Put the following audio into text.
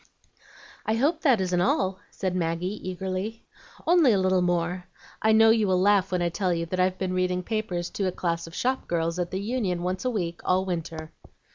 "I hope that isn't all?" said Maggie, eagerly. "Only a little more. I know you will laugh when I tell you that I've been reading papers to a class of shop girls at the Union once a week all winter."